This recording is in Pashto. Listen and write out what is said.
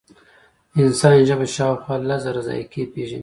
د انسان ژبه شاوخوا لس زره ذایقې پېژني.